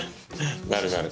なるなる。